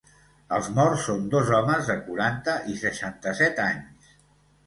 Els morts són dos homes de quaranta i seixanta-set anys.